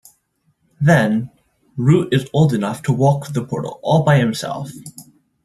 Then, Root is old enough to walk through the portal all by himself.